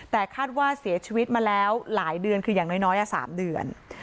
แต่คาดว่าเสียชีวิตมาแล้วหลายเดือนคืออย่างน้อย๓เดือน